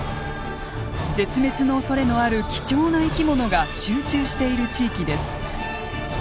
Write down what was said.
絶滅のおそれのある貴重な生き物が集中している地域です。